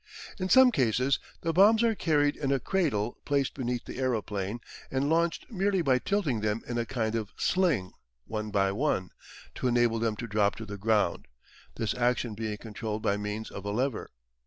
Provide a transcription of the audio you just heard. In some cases the bombs are carried in a cradle placed beneath the aeroplane and launched merely by tilting them in a kind of sling, one by one, to enable them to drop to the ground, this action being controlled by means of a lever.